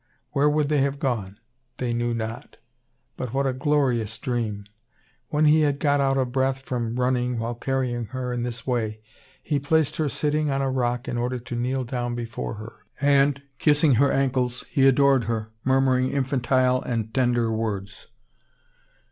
Where would they have gone? They knew not; but what a glorious dream! When he had got out of breath from running while carrying her in this way, he placed her sitting on a rock in order to kneel down before her; and, kissing her ankles, he adored her, murmuring infantile and tender words.